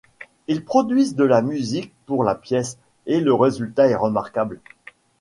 Ils produisent de la musique pour la pièce et le résultat est remarquable.